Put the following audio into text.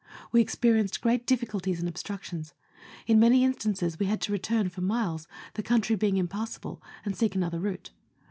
We experienced great difficulties and obstructions. In many instances we had to return for miles, the country being impassable, and seek another route.